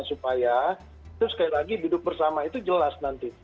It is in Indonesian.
supaya itu sekali lagi duduk bersama itu jelas nanti